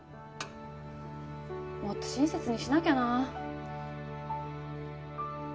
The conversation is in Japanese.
もっと親切にしなきゃな。